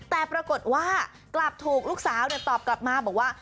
แต่ปรากฏว่ากลับถูกลูกสาวตอบกลับมาบอกว่า